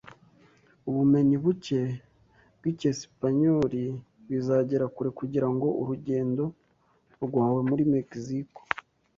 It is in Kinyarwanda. Ubumenyi buke bw'Icyesipanyoli bizagera kure kugira ngo urugendo rwawe muri Mexico